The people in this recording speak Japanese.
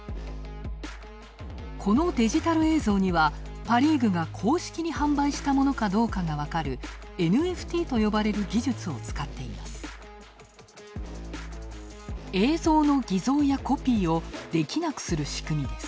このデジタル映像にはパ・リーグが公式に販売したものかどうかが分かるＮＦＴと呼ばれる技術を使っています。